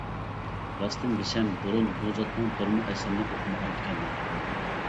راستىنى دېسەم بۇرۇن بۇ زاتنىڭ بىرمۇ ئەسىرىنى ئوقۇمىغان ئىكەنمەن.